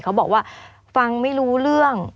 เขาบอกว่าฟังไม่รู้เรื่อง